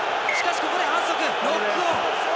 ここで反則、ノックオン。